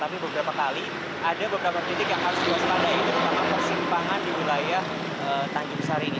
beberapa kali ada beberapa titik yang harus diwaspada yaitu persimpangan di wilayah tanjung besari ini